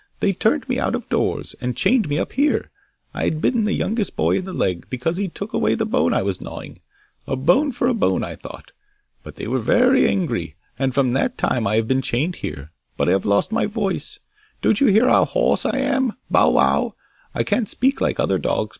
'They turned me out of doors, and chained me up here. I had bitten the youngest boy in the leg, because he took away the bone I was gnawing; a bone for a bone, I thought! But they were very angry, and from that time I have been chained here, and I have lost my voice. Don't you hear how hoarse I am? Bow wow! I can't speak like other dogs.